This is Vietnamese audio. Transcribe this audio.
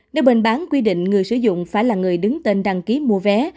nếu bình bán quy định người sử dụng phải là người đứng tên đăng ký mua vé